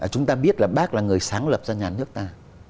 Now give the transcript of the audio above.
chúng ta biết là bác là người sáng lập ra nhà nước ta